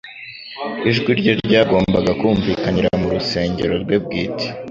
Ijwi rye ryagombaga kumvikanira mu Rusengero rwe bwite.